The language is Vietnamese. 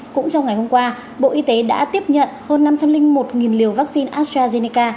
cũng trong ngày hôm qua bộ y tế đã tiếp nhận hơn năm trăm linh một liều vaccine astrazeneca